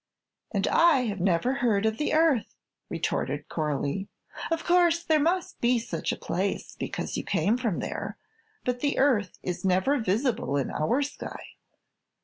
"And I have never heard of the Earth," retorted Coralie. "Of course there must be such a place, because you came from there, but the Earth is never visible in our sky."